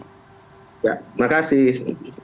ya terima kasih